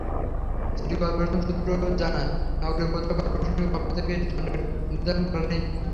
City corporation সূত্র জানায়, নগরের কোথাও করপোরেশনের পক্ষ থেকে স্ট্যান্ড নির্ধারণ করা নেই।